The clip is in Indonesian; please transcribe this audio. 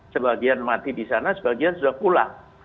sebagian mati di sana sebagian sudah pulang